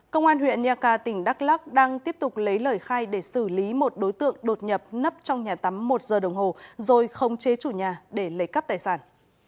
công an huyện nha ca tỉnh đắk lắc đang tiếp tục lấy lời khai để xử lý một đối tượng đột nhập nấp trong nhà tắm một giờ đồng hồ rồi không chế chủ nhà để lấy cắp tài sản